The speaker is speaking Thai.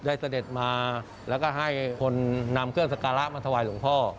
เสด็จมาแล้วก็ให้คนนำเครื่องสการะมาถวายหลวงพ่อ